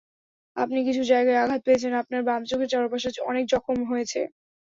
আপনি কিছু জায়গায় আঘাত পেয়েছেন, আপনার বাম চোখের চারপাশে অনেক জখম হয়েছে।